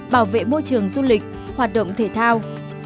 bảo vệ môi trường du lịch hoạt động thể thao